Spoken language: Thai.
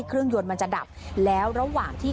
พ่อคงเอาก้อนอิดไปถ่วงไว้ตรงคันเร่งจั๊มแบบนี้